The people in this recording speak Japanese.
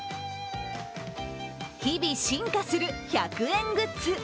日々、進化する１００円グッズ。